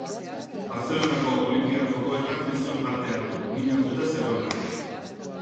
Bartzelonako Olinpiar Jokoetan ez zuen parte hartu, min hartuta zegoelako.